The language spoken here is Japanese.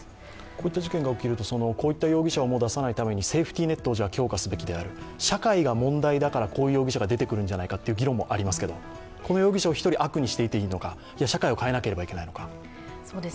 こういった事件が起きると、こういった容疑者を出さないためにセーフティネットが大事になる、社会が問題だからこういう容疑者が出てくるんじゃないかという議論もありますけれども、この容疑者を１人、悪にしていいのか社会を変えないといけないのか。